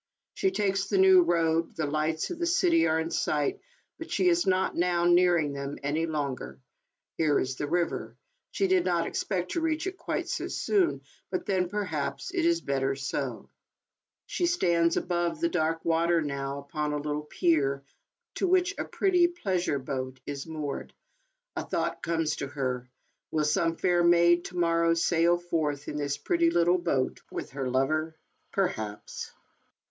She takes the new road ; the lights of the city are in si^ht, but she is not now nearing them any longer. Here is the river. She did not ex pect to reach it quite so soon, but then, perhaps, it is better so. ALICE ; OR, THE WAGES OF SIN. 11 She stands above the dark water now, upon a little pier, to which a pretty pleasure boat is moored. A thought comes to her: will some fair maid to morrow sail forth, in this pretty lit tle boat, with her lover ? Perhaps.